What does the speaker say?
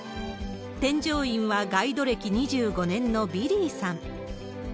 添乗員はガイド歴２５年のビリーさん。